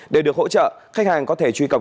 để được hỗ trợ khách hàng có thể truy cập